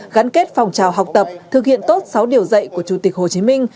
gắn kết phòng trào học tập thực hiện tốt sáu điều dạy của chủ tịch hồ chí minh